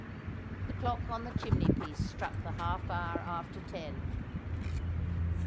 The clock on the chimney piece struck the half hour after ten.